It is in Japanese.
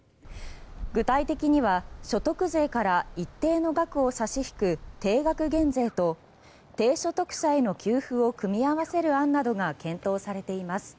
具体的には所得税から一定の額を差し引く定額減税と、低所得者への給付を組み合わせる案などが検討されています。